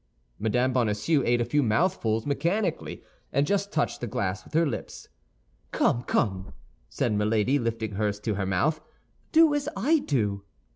Mme. Bonacieux ate a few mouthfuls mechanically, and just touched the glass with her lips. "Come, come!" said Milady, lifting hers to her mouth, "do as I do."